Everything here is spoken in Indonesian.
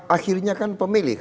akhirnya kan pemilih